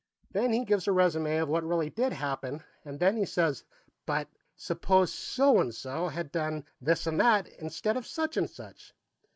Then he gives a resumé of what really did happen, and then he says, 'But suppose so and so had done this and that, instead of such and such.'